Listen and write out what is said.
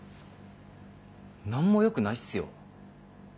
何もよくないすよ。